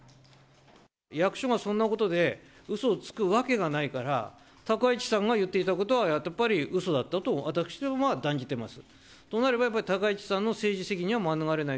役所がそんなことでうそをつくわけがないから、高市さんが言っていたことは、やっぱりうそだったと、私どもは感じてます。